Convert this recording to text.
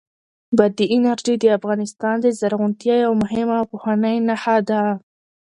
بادي انرژي د افغانستان د زرغونتیا یوه مهمه او پخوانۍ نښه ده.